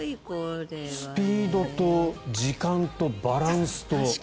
スピードと時間とバランスと。